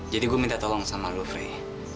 jadi gue minta tolong sama lu frey